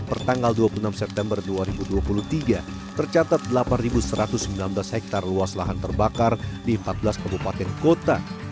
pertanggal dua puluh enam september dua ribu dua puluh tiga tercatat delapan satu ratus sembilan belas hektare luas lahan terbakar di empat belas kabupaten kota